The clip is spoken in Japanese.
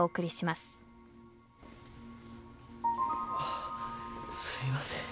あすいません。